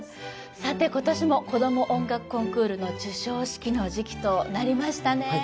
さて今年もこども音楽コンクールの授賞式の時期となりましたね